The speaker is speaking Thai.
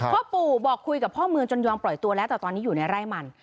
พ่อปู่บอกคุยกับพ่อเมืองจนยอมปล่อยตัวแล้วแต่ตอนนี้อยู่ในไร่มัน